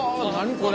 これ！